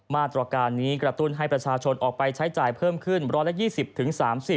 มาตรการนี้กระตุ้นให้ประชาชนออกไปใช้จ่ายเพิ่มขึ้น๑๒๐๓๐